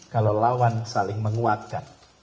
kalau lawan saling menguatkan